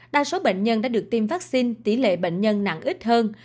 đa số bệnh nhân đã được tiêm vaccine tỷ lệ bệnh nhân nặng ít hơn